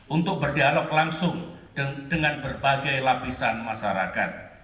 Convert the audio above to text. untuk berdialog langsung dengan berbagai lapisan masyarakat